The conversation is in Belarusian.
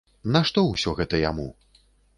Нашто ўсё гэта яму?